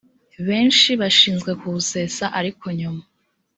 benshi bashinzwe kuwusesa ariko nyuma